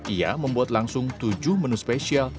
ia membuat langsung tujuh menu spesial